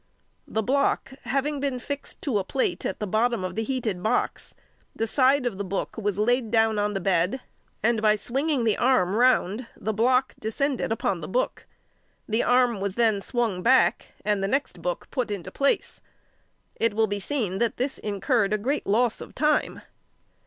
The block, having been fixed to a plate at the bottom of the heated box, the side of the book was laid down on the bed, and by swinging the arm round the block descended upon the book. The arm was then swung back, and the next book put into place. It will be seen that this incurred a great loss of time.